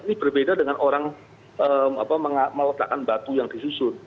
ini berbeda dengan orang meletakkan batu yang disusun